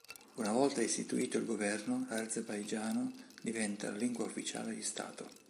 Una volta istituito il governo, l'azerbaigiano diventa la lingua ufficiale di stato.